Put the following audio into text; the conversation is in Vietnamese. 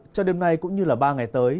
cho đêm nay cũng như là ba ngày tới